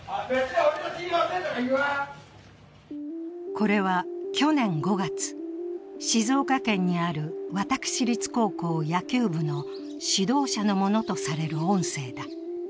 これは去年５月、静岡県にある私立高校野球部の指導者のものとされる音声だ。